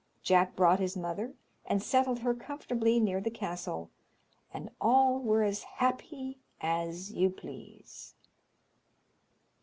Jack brought his mother, and settled her comfortably near the castle, and all were as happy as you please.